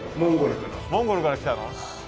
モンゴルから来たの？